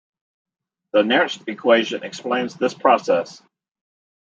The Nernst equation explains this process.